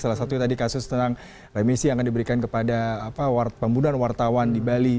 salah satunya tadi kasus tentang remisi yang akan diberikan kepada pembunuhan wartawan di bali